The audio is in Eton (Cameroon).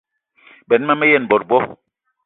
Benn ma me yen bot bo.